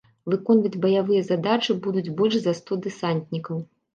Выконваць баявыя задачы будуць больш за сто дэсантнікаў.